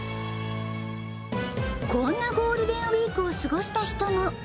こんなゴールデンウィークを過ごした人も。